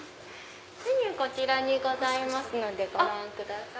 メニューこちらにございますのでご覧ください。